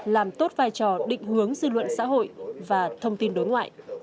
làm tốt vai trò định hướng dư luận xã hội và thông tin đối ngoại